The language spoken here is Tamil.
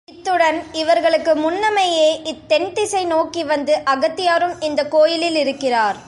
இத்துடன் இவர்களுக்கு முன்னமேயே இத் தென்திசை நோக்கிவந்து அகத்தியரும் இந்தக் கோயிலில் இருக்கிறார்.